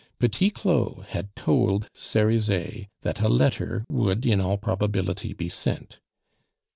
Petit Claud had told Cerizet that a letter would in all probability be sent.